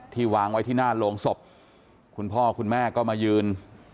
วางไว้ที่หน้าโรงศพคุณพ่อคุณแม่ก็มายืน